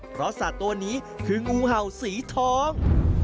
เพราะสัตว์ตัวนี้คืองูเห่าสีทอง